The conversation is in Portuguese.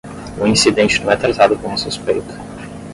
O incidente não é tratado como suspeito.